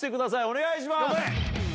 お願いします！